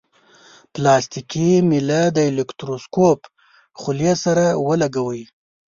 پلاستیکي میله د الکتروسکوپ خولې سره ولګوئ.